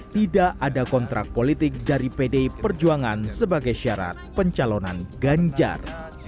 tidak ada kontrak politik dari pdi perjuangan sebagai syarat pencalonan ganjar